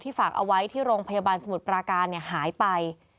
ฝากเอาไว้ที่โรงพยาบาลสมุทรปราการหายไป